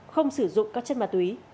hưng sử dụng các chất mạ túy